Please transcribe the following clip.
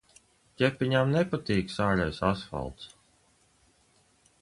Ķepiņām nepatīk sāļais asfalts.